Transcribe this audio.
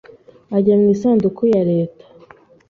ajya mu isanduku ya Leta